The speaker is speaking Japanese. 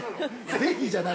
◆ぜひ、じゃない。